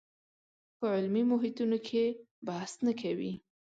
په علمي محیطونو کې بحث نه کوي